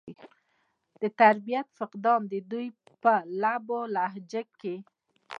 د تربيت فقدان د دوي پۀ لب و لهجه کښې